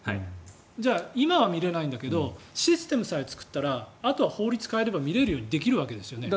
今は見れないんだけどシステムさえ作ったらあとは法律さえ変えれば見れるようになるんですよね。